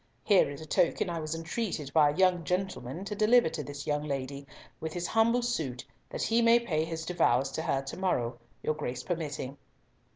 "Here is a token I was entreated by a young gentleman to deliver to this young lady, with his humble suit that he may pay his devoirs to her to morrow, your Grace permitting."